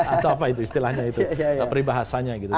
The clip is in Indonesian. atau apa itu istilahnya itu peribahasanya gitu